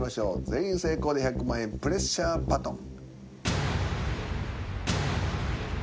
全員成功で１００万円プレッシャーバトン。